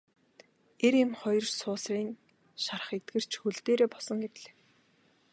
Эр эм хоёр суусрын шарх эдгэрч хөл дээрээ босон ирлээ.